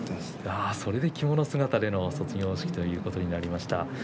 それで着物姿の卒業式ということになりました。